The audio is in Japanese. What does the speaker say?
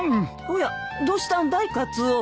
おやどうしたんだいカツオ。